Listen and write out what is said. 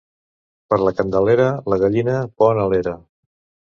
Per la Candelera la gallina pon a l'era.